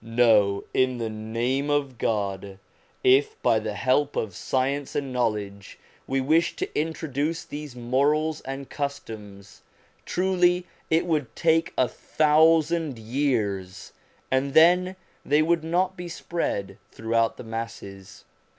No, in the name of God. If, by the help of science and knowledge, we wished to introduce these morals and customs, truly it would take a thousand years, and then they would not be spread throughout the masses.